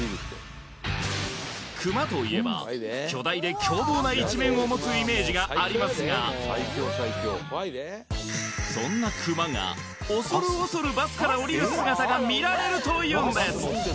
クマといえば巨大で凶暴な一面を持つイメージがありますがそんなクマがが見られるというんです